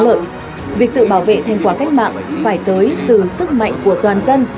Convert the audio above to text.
vì vậy việc tự bảo vệ thành quả cách mạng phải tới từ sức mạnh của toàn dân